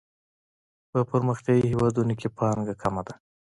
په پرمختیايي هیوادونو کې پانګه کمه ده.